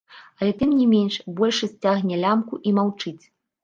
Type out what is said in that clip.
Але, тым не менш, большасць цягне лямку і маўчыць.